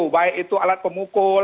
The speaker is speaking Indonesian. baik itu alat pemukul